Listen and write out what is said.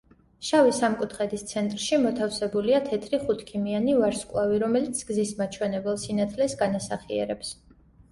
შავი სამკუთხედის ცენტრში მოთავსებულია თეთრი ხუთქიმიანი ვარსკვლავი, რომელიც გზის მაჩვენებელ სინათლეს განასახიერებს.